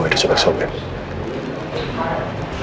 ada kata ancaman ancaman disana